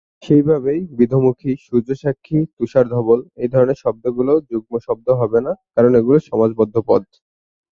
সেই ভাবেই বিধূ-মুখী, সূর্য-সাক্ষী, তুষার-ধবল এই ধরনের শব্দগুলো যুগ্ম শব্দ হবে না কারণ এগুলো সমাস বদ্ধ পদ।